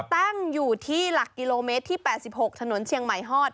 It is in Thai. ตั้งอยู่ที่หลักกิโลเมตรที่๘๖ถนนเชียงใหม่ฮอด